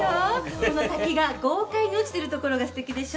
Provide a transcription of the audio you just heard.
この滝が豪快に落ちてるところが素敵でしょ？